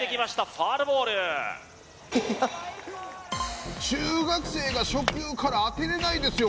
ファウルボール中学生が初球から当てれないですよ